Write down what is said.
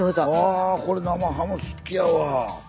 あこれ生ハム好っきやわ。